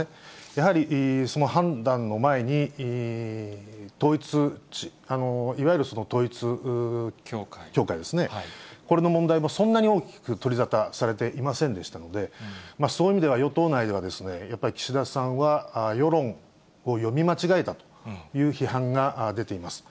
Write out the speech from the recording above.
やはり、その判断の前に、いわゆる統一教会ですね、これの問題もそんなに大きく取り沙汰されていませんでしたので、その意味では与党内では、やっぱり岸田さんは世論を読み間違えたという批判が出ています。